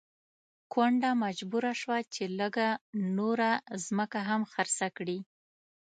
کونډه مجبوره شوه چې لږه نوره ځمکه هم خرڅه کړي.